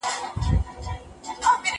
زه کتابونه ليکلي دي،